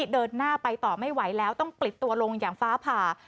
เดินหน้าไปต่อไม่ไหวแล้วต้องปลิดตัวลงอย่างฟ้าผ่า